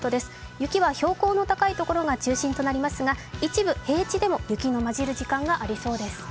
雪は標高の高い所が中心となりますが一部、平地でも雪の交じる時間がありそうです。